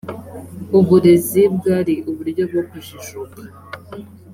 uburezi bwari uburyo bwokujijuka